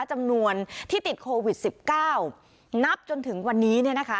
จำนวนที่ติดโควิด๑๙นับจนถึงวันนี้เนี่ยนะคะ